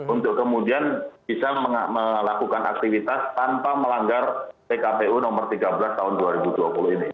untuk kemudian bisa melakukan aktivitas tanpa melanggar pkpu nomor tiga belas tahun dua ribu dua puluh ini